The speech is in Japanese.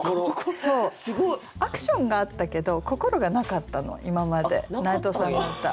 アクションがあったけど「心」がなかったの今まで内藤さんの歌。